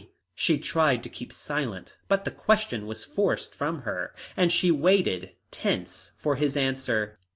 She tried to keep silent, but the question was forced from her, and she waited tense for his answer.